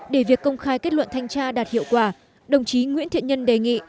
để việc công khai kết luận thanh tra đạt hiệu quả đồng chí nguyễn thiện nhân đề nghị